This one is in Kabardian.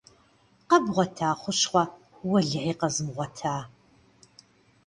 Къэбгъуэта хущхъуэ? - Уэлэхьи, къэзмыгъуэта!